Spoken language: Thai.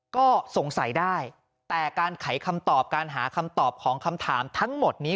ก็สงสัยได้แต่การไขคำตอบการหาคำตอบของคำถามทั้งหมดนี้